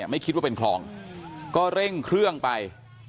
ไม่คิดว่าเป็นคลองก็เร่งเครื่องไป